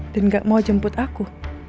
dan gak mau jemput aku